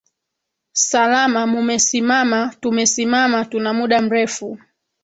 salama mumesimama tumesimama tuna muda mrefu